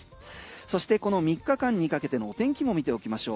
そしてこの３日間にかけての天気も見ておきましょう。